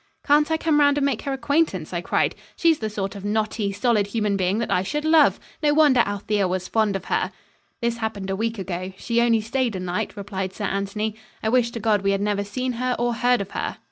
"Can't I come round and make her acquaintance?" I cried. "She's the sort of knotty, solid human thing that I should love. No wonder Althea was fond of her." "This happened a week ago. She only stayed a night," replied Sir Anthony. "I wish to God we had never seen her or heard of her."